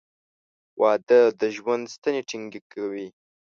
• واده د ژوند ستنې ټینګې کوي.